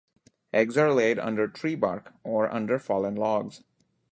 Eggs are laid under tree bark, or under fallen logs.